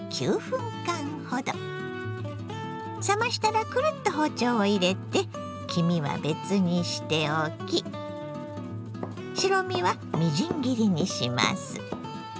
冷ましたらクルッと包丁を入れて黄身は別にしておき白身はみじん切りにします。